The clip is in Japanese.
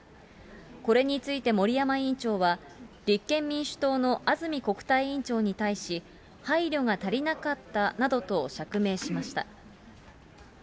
これについて森山委員長は、立憲民主党の安住国対委員長に対し、配慮が足りなかったなどと、釈明しました。